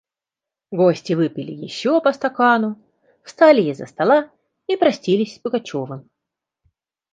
Гости выпили еще по стакану, встали из-за стола и простились с Пугачевым.